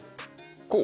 こう？